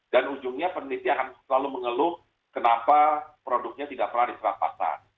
dan ujungnya peneliti akan selalu mengeluh kenapa produknya tidak pernah terjadi